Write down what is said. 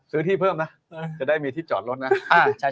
ซึ้อที่เพิ่มเลยไงดาวที่จะได้เจอรถ